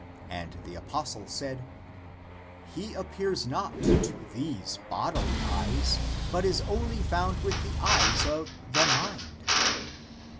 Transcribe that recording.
And the apostle said, " He appears not to these bodily eyes, but is only found with the eyes of the mind."